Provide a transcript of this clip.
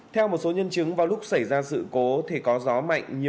theo một số nhân chứng vào lúc xảy ra sự cố thì có gió mạnh